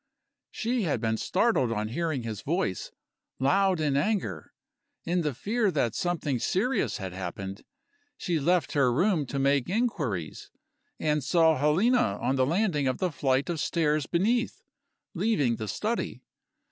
She had been startled on hearing his voice, loud in anger. In the fear that something serious had happened, she left her room to make inquiries, and saw Helena on the landing of the flight of stairs beneath, leaving the study.